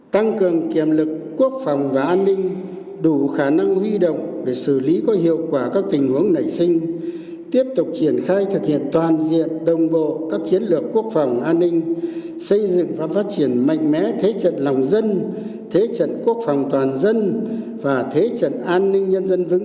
tăng cường kiểm lực quốc phòng và an ninh đủ khả năng huy động để xử lý có hiệu quả các tình huống nảy sinh tiếp tục triển khai thực hiện toàn diện đồng bộ các chiến lược quốc phòng an ninh xây dựng và phát triển mạnh mẽ thế trận lòng dân thế trận quốc phòng toàn dân và thế trận an ninh nhân dân vững